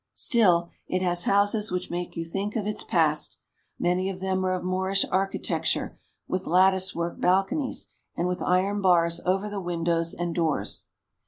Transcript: Still, it has houses which make you think of its past. Many of them are of Moorish architecture, with lattice work balco nies, and with iron bars over the windows and doors.